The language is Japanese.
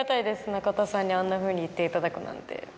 中田さんにあんなふうに言っていただくなんて。